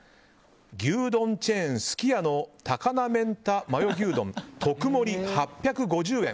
牛丼チェーンすき家の高菜明太マヨ牛丼、特盛８５０円。